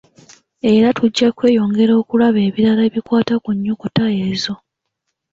Era tujja kweyongera okulaba ebirala ebikwata ku nnyukuta ezo.